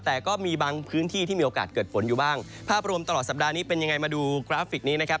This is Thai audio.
แต่ก็มีบางพื้นที่ที่มีโอกาสเกิดฝนอยู่บ้างภาพรวมตลอดสัปดาห์นี้เป็นยังไงมาดูกราฟิกนี้นะครับ